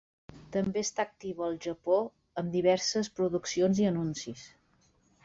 També està activa al Japó amb diverses produccions i anuncis.